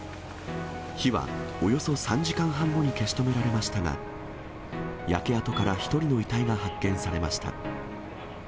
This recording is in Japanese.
火はおよそ３時間半後に消し止められましたが、焼け跡から１人の遺体が発見されました。